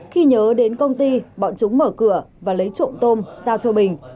khi nhớ đến công ty bọn chúng mở cửa và lấy trộm tôm giao cho bình